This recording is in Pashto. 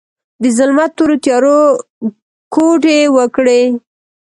د ظلمت تورو تیارو، کوډې وکړې